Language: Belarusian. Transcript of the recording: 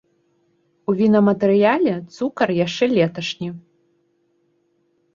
У вінаматэрыяле цукар яшчэ леташні.